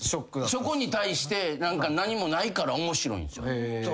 そこに対して何もないから面白いんすよ。